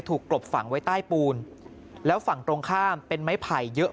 กลบฝังไว้ใต้ปูนแล้วฝั่งตรงข้ามเป็นไม้ไผ่เยอะ